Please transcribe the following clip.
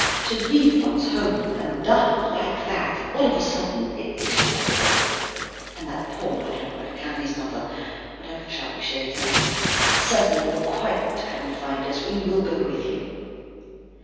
To leave one's home, and die, like that, all of a sudden. It's horrible. And that poor Madame Raquin, his mother, whatever shall we say to her? Certainly, you were quite right to come and find us. We will go with you."